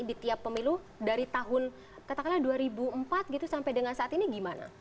di tiap pemilu dari tahun katakanlah dua ribu empat gitu sampai dengan saat ini gimana